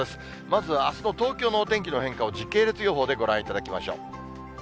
まずあすの東京のお天気の変化を時系列予報でご覧いただきましょう。